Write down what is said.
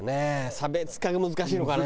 差別化が難しいのかね。